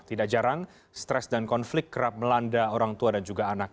tidak jarang stres dan konflik kerap melanda orang tua dan juga anak